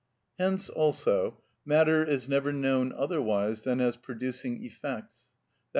Hence, also, matter is never known otherwise than as producing effects, _i.